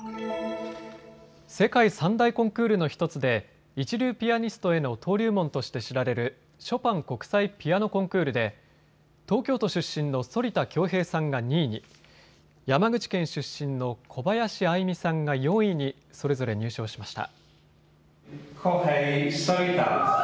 世界３大コンクールの１つで一流ピアニストへの登竜門として知られるショパン国際ピアノコンクールで東京都出身の反田恭平さんが２位に、山口県出身の小林愛実さんが４位にそれぞれ入賞しました。